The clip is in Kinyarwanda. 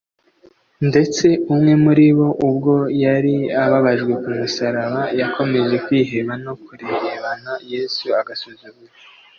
ndetse umwe muri bo ubwo yari ababajwe ku musaraba yakomeje kwiheba no kurebana yesu agasuzuguro